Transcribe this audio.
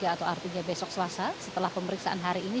atau artinya besok selasa setelah pemeriksaan hari ini